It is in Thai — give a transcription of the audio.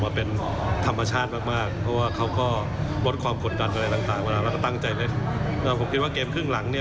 แล้วก็ตั้งใจได้แต่ผมคิดว่าเกมครึ่งหลังนี่